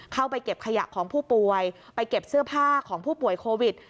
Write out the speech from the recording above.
เข้าไปเก็บขยะของผู้ป่วยไปเก็บเสื้อผ้าของผู้ป่วยโควิด